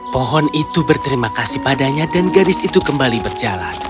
pohon itu berterima kasih padanya dan gadis itu kembali berjalan